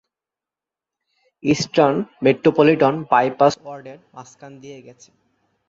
Eastern Metropolitan Bypass ওয়ার্ডের মাঝখান দিয়ে গেছে।